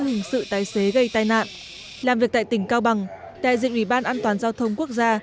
hình sự tài xế gây tai nạn làm việc tại tỉnh cao bằng đại diện ủy ban an toàn giao thông quốc gia